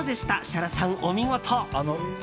設楽さん、お見事！